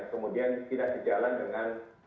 kemudian tidak di jalan dengan